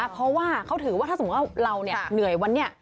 เพราะว่าเขาถือว่าถ้าสมมุติว่าเราเหนื่อยวันนี้